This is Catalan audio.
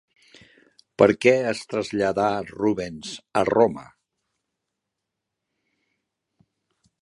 Per què es traslladà Rubens a Roma?